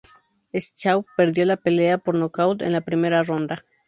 Schaub perdió la pelea por nocaut en la primera ronda.